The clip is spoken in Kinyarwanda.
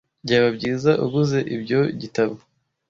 Byaba byiza uguze ibyo gitabo.